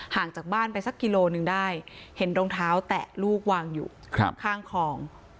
ห่างจากบ้านไปสักกิโลหนึ่งได้เห็นรองเท้าแตะลูกวางอยู่ข้างคลอง